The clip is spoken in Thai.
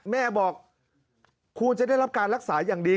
แม่บอกควรจะได้รับการรักษาอย่างดี